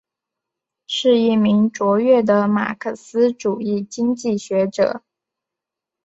是一名卓越的马克思主义经济学者。